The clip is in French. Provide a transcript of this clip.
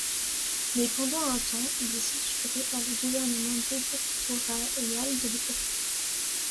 Mais pendant un temps, il est censuré par le gouvernement dictatorial de l'époque.